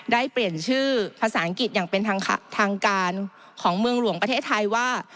ได้เปลี่ยนชื่อภาษาอังกฤษอย่างเป็นทางการของเมืองหลวงประเทศไทยว่า